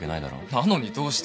なのにどうして？